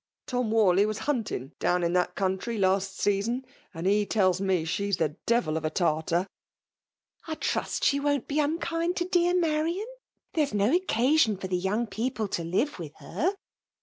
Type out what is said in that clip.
Tom Warley was hunting down in that country last season, and he tells me she is a devil of a Tartar !"" I trust she voa t l>e unkind to dear MMritau There is no occasion for tlie young people to Uve with her."